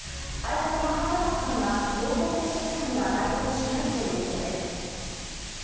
相方の浜田さんは濃厚接触者には該当しないということです。